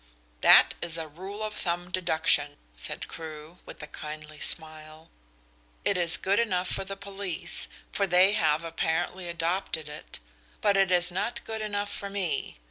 "That is a rule of thumb deduction," said Crewe, with a kindly smile. "It is good enough for the police, for they have apparently adopted it, but it is not good enough for me.